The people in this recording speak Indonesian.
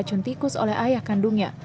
cuntikus oleh ayah kandungnya